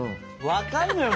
分かるのよ